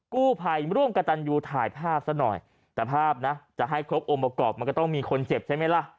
กู้ภัยร่วมกับตันยูถ่ายภาพซะหน่อยแต่ภาพนะจะให้ครบองค์ประกอบมันก็ต้องมีคนเจ็บใช่ไหมล่ะ